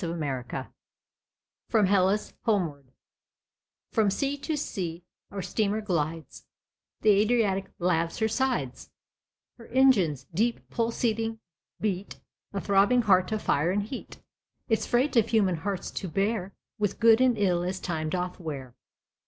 [Illustration: ·FROM·HELLAS·HOMEWARD·] FROM sea to sea our steamer glides, The Adriatic laves her sides, Her engines, deep pulsating, beat, A throbbing heart of fire and heat; Its freight of human hearts to bear With good and ill as time doth wear.